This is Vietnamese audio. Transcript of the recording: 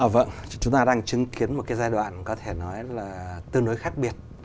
vâng chúng ta đang chứng kiến một cái giai đoạn có thể nói là tương đối khác biệt